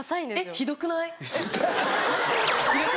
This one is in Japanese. ひどくない？